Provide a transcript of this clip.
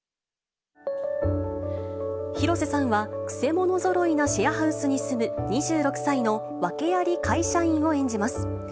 広瀬さんは、くせ者ぞろいなシェアハウスに住む２６歳の訳あり会社員を演じます。